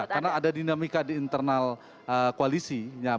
karena ada dinamika di internal koalisinya